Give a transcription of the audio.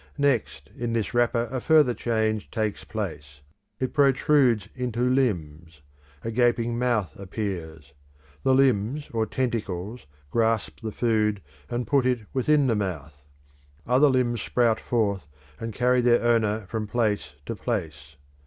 Next, in this wrapper a further change takes place. It protrudes into limbs; a gaping month appears. The limbs or tentacles grasp the food and put it within the mouth; other limbs sprout forth and carry their owner from place to place.